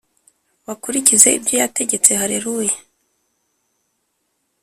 Bakurikize ibyo yategetse Haleluya